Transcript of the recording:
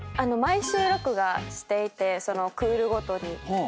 毎週録画していてそのクールごとに。